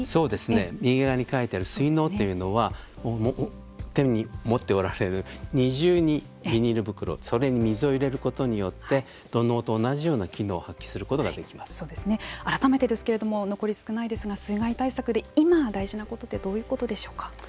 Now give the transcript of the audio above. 右側に書いてある水のうというのは手に持っておられる二重にビニール袋それに水を入れることによって土のうと同じような機能を改めてですけれども残り少ないですが水害対策で今、大事なことってどういうことでしょうか。